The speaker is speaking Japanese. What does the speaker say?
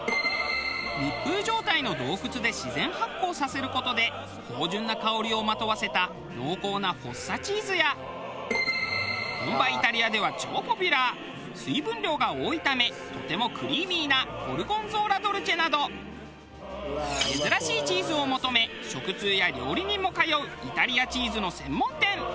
密封状態の洞窟で自然発酵させる事で芳醇な香りをまとわせた濃厚なフォッサチーズや本場イタリアでは超ポピュラー水分量が多いためとてもクリーミーなゴルゴンゾーラ・ドルチェなど珍しいチーズを求め食通や料理人も通うイタリアチーズの専門店。